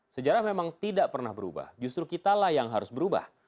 sejarah memang tidak pernah berubah justru kitalah yang harus berubah